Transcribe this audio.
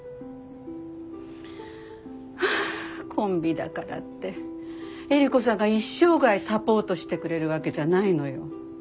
はぁコンビだからってエリコさんが一生涯サポートしてくれるわけじゃないのよ。